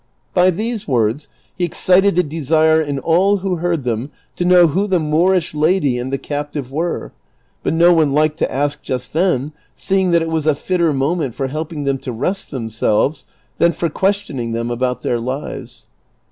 By these words he excited a desire in all who heard them to know who the Moorish lady and the captive were, but no one liked to ask jiist then, seeing that it was a fitter moment for helping them to rest themselves than for questioning them about their lives.